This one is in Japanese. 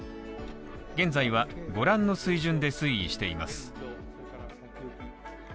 現在は、ご覧の水準で推移しています。